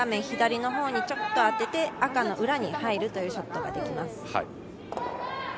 左の方にちょっと当てて、赤の裏に入るというショットができます。